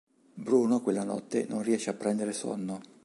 Bruno, quella notte, non riesce a prendere sonno.